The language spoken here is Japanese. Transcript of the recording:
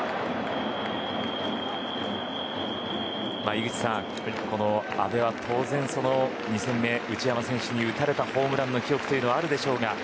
井口さん、阿部は当然２戦目、内山選手に打たれたホームランの記憶があるでしょうが。